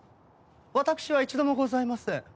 わたくしは一度もございません。